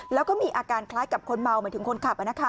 แล้วก็มีอาการคล้ายกับคนเมาหมายถึงคนขับ